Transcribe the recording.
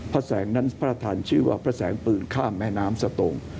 พระแสงนั้นพระธรรมชื่อว่าพระแสงปืนข้ามแม่น้ำสตง